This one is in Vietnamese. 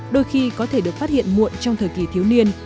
đôi khi có thể được phát hiện muộn trong thời kỳ thiếu niên